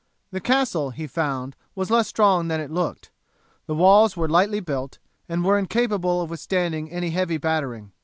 The castle he found was less strong than it looked. The walls were lightly built, and were incapable of withstanding any heavy battering.